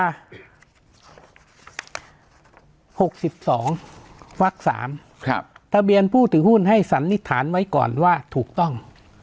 ๖๒วัก๓ทะเบียนผู้ถือหุ้นให้สันนิษฐานไว้ก่อนว่าถูกต้อง